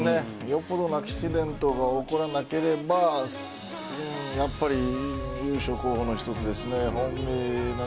よっぽどなアクシデントが起こらなければやっぱり優勝候補の１つですね。